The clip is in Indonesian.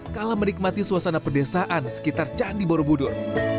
kala menikmati suasana pedesaan sekitar candi borobudur